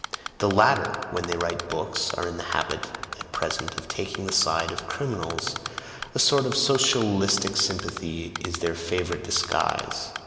The latter, when they write books, are in the habit at present of taking the side of criminals; a sort of socialistic sympathy is their favourite disguise.